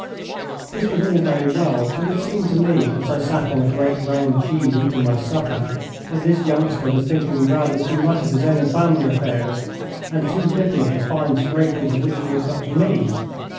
This was all very well, but it seemed to me, as I sat on a great round cheese eating my supper, that this youngster was thinking rather too much of his own family affairs and too little of the fine scrape into which he had got me.